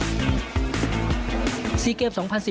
ในกีฬาคุณอาทิพย์ที่ทำได้ดีเกินทาง